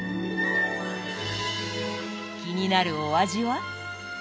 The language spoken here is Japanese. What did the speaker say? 気になるお味は？